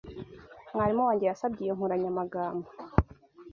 Mwarimu wanjye yasabye iyo nkoranyamagambo.